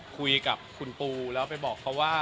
คุยกับคุณปูแล้วไปบอกเขาว่า